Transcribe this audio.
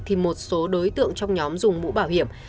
thì một số đối tượng trong nhóm dùng mũ bảo hiểm